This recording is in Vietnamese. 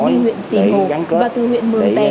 đi huyện sì hồ và từ huyện mường tè